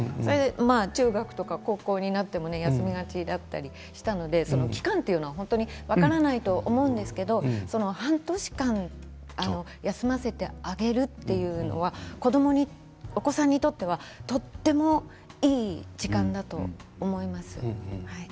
中学や高校も休みがちになったので期間は分からないと思うんですが半年間休ませてあげるというのはお子さんにとってはとってもいい時間だと思います。